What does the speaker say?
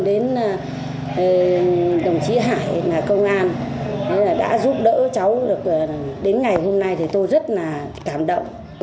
cảm ơn đồng chí hải công an đã giúp đỡ cháu được đến ngày hôm nay tôi rất là cảm động